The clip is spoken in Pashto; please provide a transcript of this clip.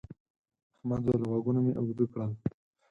احمد وويل: غوږونه مې اوږده کړل.